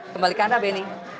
kembalikan anda beni